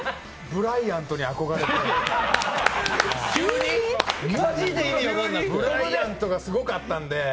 ブライアントに憧れて、ブライアントがすごかったんで。